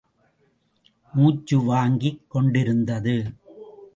மூச்சு வாங்கிக் கொண்டிருந்தது.